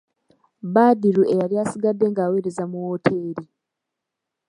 Badru eyali asigadde ng'awereza mu wooteri.